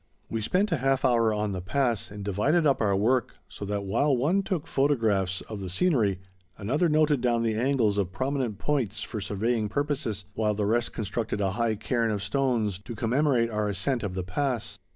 We spent a half hour on the pass and divided up our work, so that while one took photographs of the scenery, another noted down the angles of prominent points for surveying purposes, while the rest constructed a high cairn of stones, to commemorate our ascent of the pass.